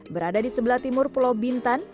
berada di sebelah timur pulau bintan